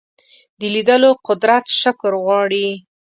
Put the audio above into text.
د لیدلو قدرت شکر غواړي